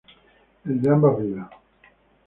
El de ambas vidas.